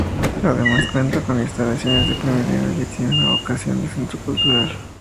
Además, cuenta con instalaciones de primer nivel y tiene una vocación de centro cultural.